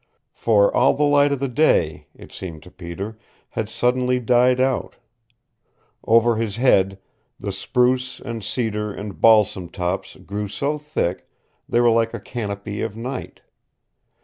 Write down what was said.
For all the light of the day, it seemed to Peter, had suddenly died out. Over his head the spruce and cedar and balsam tops grew so thick they were like a canopy of night.